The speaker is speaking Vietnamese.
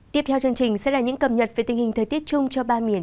tiếp theo chương trình sẽ là những cập nhật về tình hình thời tiết chung cho ba miền